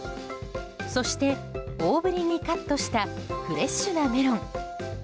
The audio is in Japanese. そして、大ぶりにカットしたフレッシュなメロン。